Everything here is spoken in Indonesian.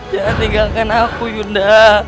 jangan tinggalkan aku yunda